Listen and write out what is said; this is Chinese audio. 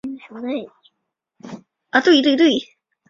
隋代以度支尚书为民部尚书。